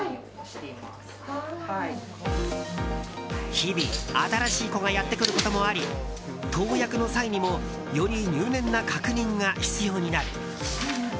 日々新しい子がやってくることもあり投薬の際にもより入念な確認が必要になる。